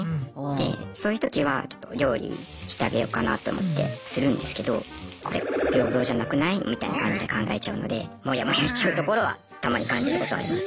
でそういう時はちょっと料理してあげようかなと思ってするんですけどみたいな感じで考えちゃうのでモヤモヤしちゃうところはたまに感じることありますね。